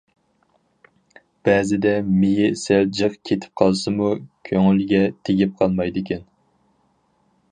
بەزىدە مېيى سەل جىق كېتىپ قالسىمۇ كۆڭۈلگە تېگىپ قالمايدىكەن.